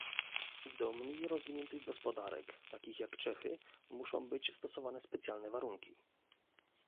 Do mniej rozwiniętych gospodarek, takich jak Czechy, muszą być stosowane specjalne warunki